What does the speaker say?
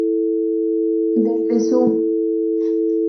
Desde su